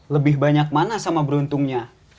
lebih banyak mana sama beruntungnya